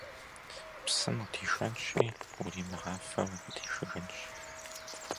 Псым удишэнщи, уримыгъафэу укъыдишыжынщ.